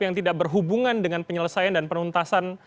yang tidak berhubungan dengan penyelesaian dan penuntasan